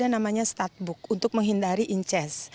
ada namanya statbook untuk menghindari inces